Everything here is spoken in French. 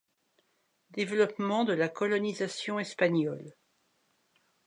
Développement de la colonisation espagnole.